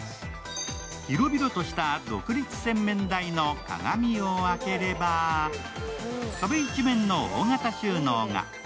広々とした独立洗面台の鏡を開ければ壁一面の大型収納が。